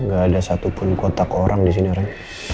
gak ada satupun kotak orang di sini orang